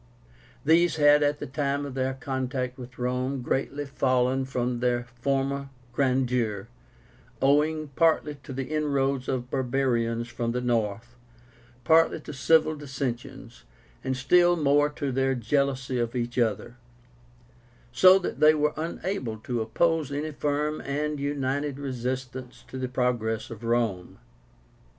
These had, at the time of their contact with Rome, greatly fallen from their former grandeur, owing partly to the inroads of barbarians from the north, partly to civil dissensions, and still more to their jealousy of each other; so that they were unable to oppose any firm and united resistance to the progress of Rome.